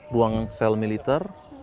ruang sel militer